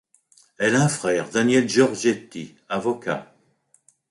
Elle a un frère, Daniel Giorgetti, avocat.